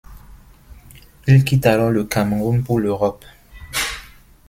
Il quitte alors le Cameroun pour l'Europe.